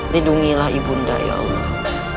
lindungilah ibunda ya allah